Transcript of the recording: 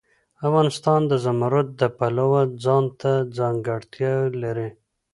افغانستان د زمرد د پلوه ځانته ځانګړتیا لري.